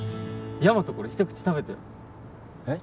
ヤマトこれ一口食べてよえっ？